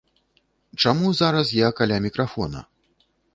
Чаму зараз я каля мікрафона?